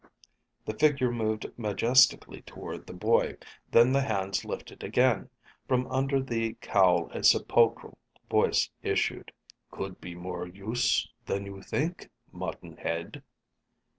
The figure moved majestically toward the boy, then the hands lifted again. From under the cowl a sepulchral voice issued. "Could be more use than you think, muttonhead."